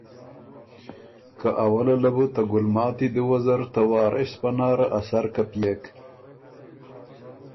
که اوله له بُو ته ګلماتی دُوه زر ته وارث پناره ا سر کپئېک